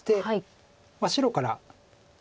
白から。